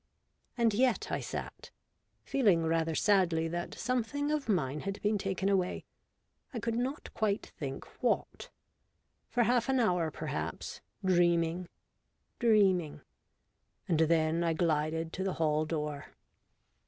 And yet I sat, feeling rather sadly that something of mine had been taken away : I could not quite think what. For half an hour perhaps — dream ing — dreaming: and then I glided to the hall door.